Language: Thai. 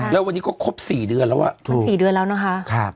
แล้ววันนี้ก็ครบสี่เดือนแล้วอ่ะถูกสี่เดือนแล้วนะคะครับ